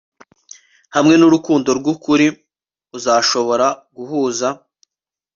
Hamwe nurukundo rwukuri uzashobora guhuza